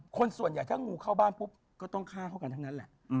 คนส่วนใหญ่ถ้างูเข้าบ้านปุ๊บก็ต้องฆ่าเขากันทั้งนั้นแหละ